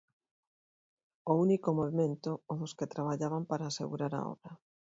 O único movemento o dos que traballaban para asegurar a obra.